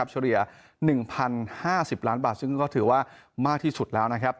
เฉลี่ย๑๐๕๐ล้านบาทซึ่งก็ถือว่ามากที่สุดแล้วนะครับ